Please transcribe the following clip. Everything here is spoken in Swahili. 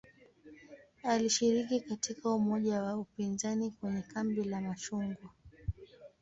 Alishiriki katika umoja wa upinzani kwenye "kambi la machungwa".